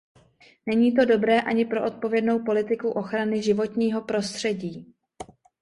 Není to dobré ani pro odpovědnou politiku ochrany životního prostředí.